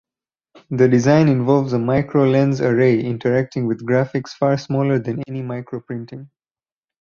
The design involves a micro-lens array interacting with graphics far smaller than any microprinting.